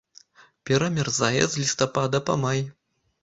Перамярзае з лістапада па май.